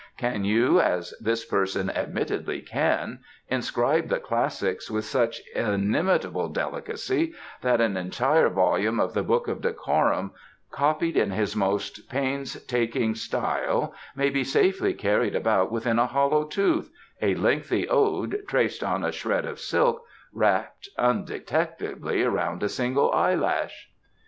Can you, as this person admittedly can, inscribe the Classics with such inimitable delicacy that an entire volume of the Book of Decorum, copied in his most painstaking style, may be safely carried about within a hollow tooth, a lengthy ode, traced on a shred of silk, wrapped undetectably around a single eyelash?"